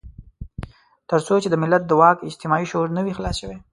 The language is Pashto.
تر څو چې د ملت د واک اجتماعي شعور نه وي خلاص شوی.